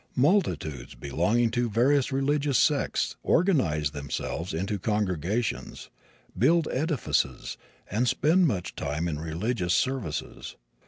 Multitudes belonging to various religious sects organize themselves into congregations, build edifices and spend much time in religious services.